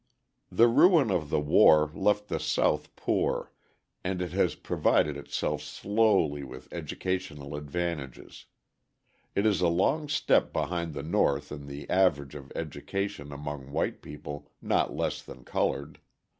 The ruin of the war left the South poor, and it has provided itself slowly with educational advantages. It is a long step behind the North in the average of education among white people not less than coloured.